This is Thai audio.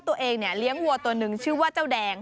ตัวเองเนี่ยเลี้ยงหัวตัวนึงชื่อว่าจะวแดง